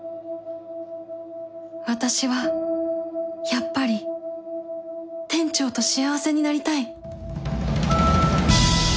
私はやっぱり店長と幸せになりたい